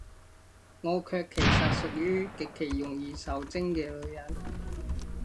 我卻其實屬於，極其容易受精嘅女人